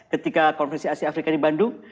ketika konferensi asia afrika di bandung